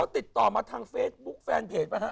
ติดต่อมาทางเฟซบุ๊คแฟนเพจป่ะฮะ